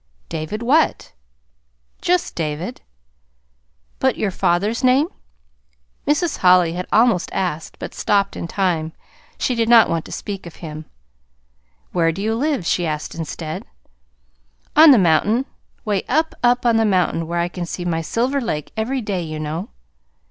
"David what?" "Just David." "But your father's name?" Mrs. Holly had almost asked, but stopped in time. She did not want to speak of him. "Where do you live?" she asked instead. "On the mountain, 'way up, up on the mountain where I can see my Silver Lake every day, you know."